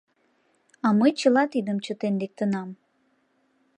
А мый чыла тидым чытен лектынам.